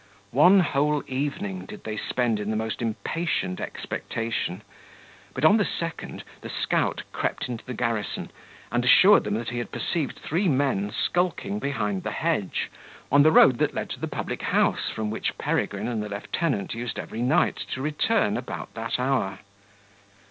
One whole evening did they spend in the most impatient expectation, but on the second the scout crept into the garrison, and assured them that he had perceived three men skulking behind the hedge, on the road that led to the public house from which Peregrine and the lieutenant used every night to return about that hour.